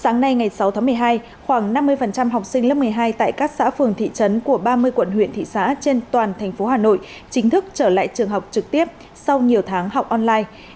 sáng nay ngày sáu tháng một mươi hai khoảng năm mươi học sinh lớp một mươi hai tại các xã phường thị trấn của ba mươi quận huyện thị xã trên toàn thành phố hà nội chính thức trở lại trường học trực tiếp sau nhiều tháng học online